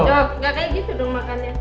nggak kayak gitu dong makannya